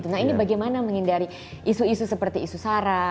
nah ini bagaimana menghindari isu isu seperti isu sara